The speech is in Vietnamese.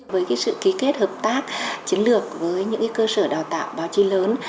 với sự ký kết hợp tác chiến lược với những cơ sở đào tạo báo chí lớn